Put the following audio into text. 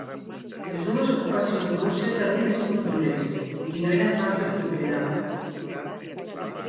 Les dues ocupacions russes havien sigut dures i no eren fàcils d'oblidar.